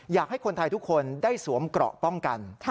อยากให้คนไทยทุกคนได้สวมเกราะป้องกัน